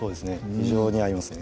非常に合いますね